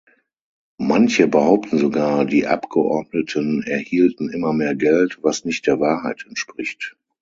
Manche behaupten sogar, die Abgeordneten erhielten immer mehr Geld, was nicht der Wahrheit entspricht.